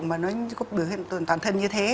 mà nó có biểu hiện toàn thân như thế